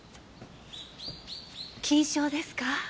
金賞ですか。